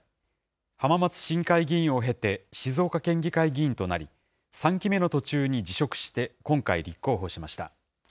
浜松市議会議員を経て、静岡県議会議員となり、３期目の途中に辞職して、今回立候補しました。